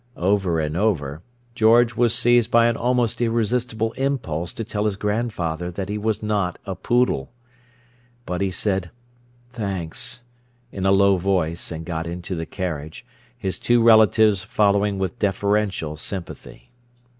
over and over, George was seized by an almost irresistible impulse to tell his grandfather that he was not a poodle. But he said "Thanks," in a low voice, and got into the carriage, his two relatives following with deferential sympathy.